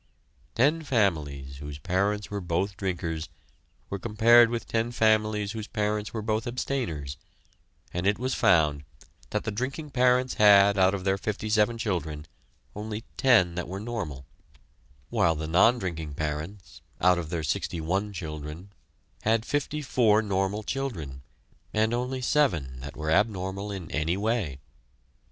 Ten families whose parents were both drinkers were compared with ten families whose parents were both abstainers, and it was found that the drinking parents had out of their fifty seven children only ten that were normal, while the non drinking parents, out of their sixty one children, had fifty four normal children and only seven that were abnormal in any way.